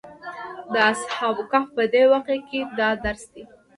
د اصحاب کهف په دې واقعه کې دا درس دی.